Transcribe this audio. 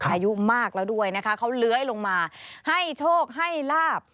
อายุมากแล้วด้วยนะคะเขาเลื้อยลงมาให้โชคให้ลาบ